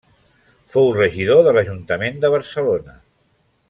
Fou regidor de l'Ajuntament de Barcelona.